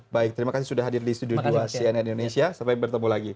baik terima kasih sudah hadir di studio dua cnn indonesia sampai bertemu lagi